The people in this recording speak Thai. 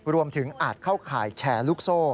รวมถึงอาจเข้าขายแชร์ลูกโซ